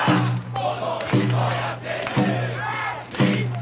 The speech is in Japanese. お！